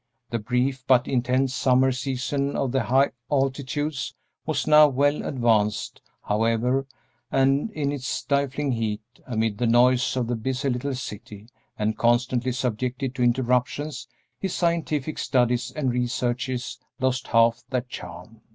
The brief but intense summer season of the high altitudes was now well advanced, however, and in its stifling heat, amid the noise of the busy little city, and constantly subjected to interruptions, his scientific studies and researches lost half their charm.